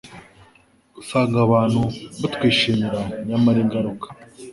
usanga abantu batwishimira; nyamara ingaruka